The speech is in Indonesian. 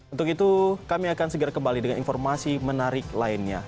untuk itu kami akan segera kembali dengan informasi menarik lainnya